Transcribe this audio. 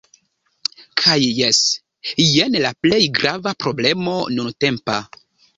Kaj jes, jen la plej grava problemo nuntempa